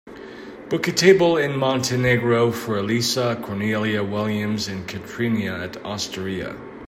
book a table in Montenegro for alissa, cornelia williams and katrina at osteria